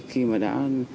khi mà đã